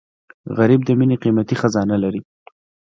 غریب د مینې قیمتي خزانه لري